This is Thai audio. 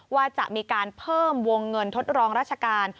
ว่าจะมีการเพิ่มวงเงินทดลองราชการ